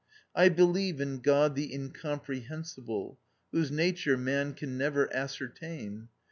I believe in God the Incomprehensible, whose nature man can never ascertain.